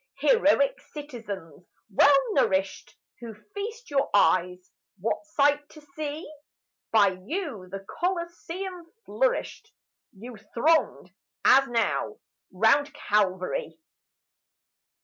Heroic citizens, well nourished, Who feast your eyes: What sight to see? By you the Coliseum flourished; You thronged, as now, round Calvary.